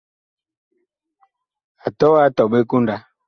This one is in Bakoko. A tɔɔ a etɔɓe ɛ konda.